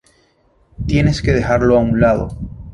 Tienes que dejarlo a un lado.